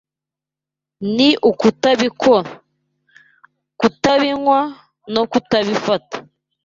ni ukutabikora, kutabinywa, no kutabifata